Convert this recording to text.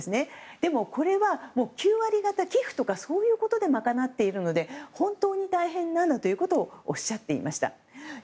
でもこれは９割方寄付とかそういうことで賄っているので本当に大変なんだということをおっしゃっていました。